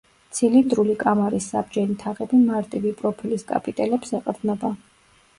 ცილინდრული კამარის საბჯენი თაღები მარტივი პროფილის კაპიტელებს ეყრდნობა.